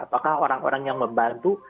apakah orang orang yang membantu